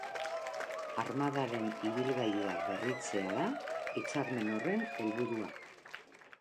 Armadaren ibilgailuak berritzea da hitzarmen horren helburua.